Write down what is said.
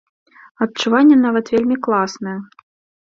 Адчуванне нават вельмі класнае.